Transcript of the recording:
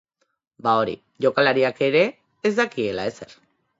Ba hori, jokalariak ere ez dakiela ezer.